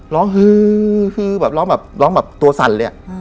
ร้องฮือแบบตัวสั่นเลย